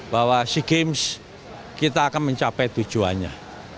bahwa sea games kita akan mencapai tujuannya